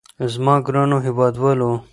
زما ګرانو هېوادوالو.